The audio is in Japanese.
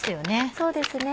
そうですね。